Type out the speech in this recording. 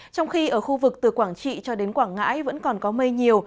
trong khi ở khu vực từ quảng trị cho đến quảng ngãi vẫn còn có mây nhiều